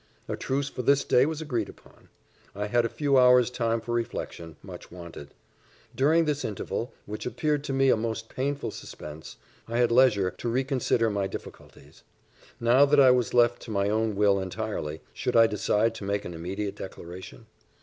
A truce for this day was agreed upon. I had a few hours' time for reflection much wanted. During this interval, which appeared to me a most painful suspense, I had leisure to reconsider my difficulties. Now that I was left to my own will entirely, should I decide to make an immediate declaration?